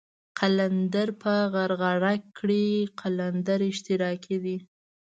قلندر په غرغره کړئ قلندر اشتراکي دی.